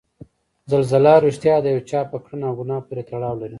زلزله ریښتیا د یو چا په کړنه او ګناه پورې تړاو لري؟